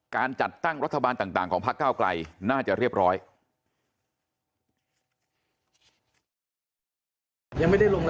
การจัดตั้งรัฐบาลต่างของพระเก้าไกลน่าจะเรียบร้อย